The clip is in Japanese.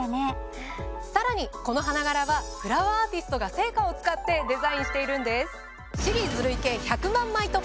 さらにこの花柄はフラワーアーティストが生花を使ってデザインしているんです。